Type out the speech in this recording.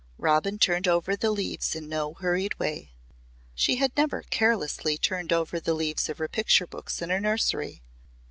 Robin turned over the leaves in no hurried way. She had never carelessly turned over the leaves of her picture books in her nursery.